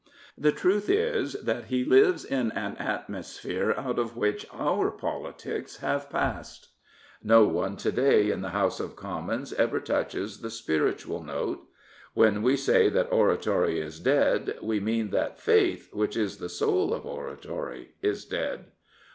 The truth is that he lives in an atmosphere out of which our politics have passed. No one to day in the House of Commons ever touches the spiritual note. When we say that oratory is dead we mean that faith, which is the soul of oratory, is dead.